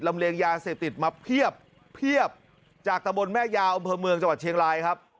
เลียงยาเสพติดมาเพียบจากตะบนแม่ยาวอำเภอเมืองจังหวัดเชียงรายครับ